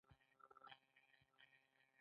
دې پانګې ته سوداګریزه پانګه ویل کېږي